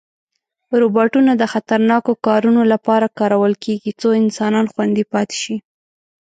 روباټونه د خطرناکو کارونو لپاره کارول کېږي، څو انسان خوندي پاتې شي.